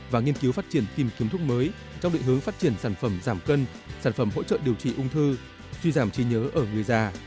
và nghiên cứu phát triển tìm kiếm thuốc mới trong định hướng phát triển sản phẩm giảm cân sản phẩm hỗ trợ điều trị ung thư suy giảm trí nhớ ở người già